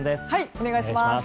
お願いします。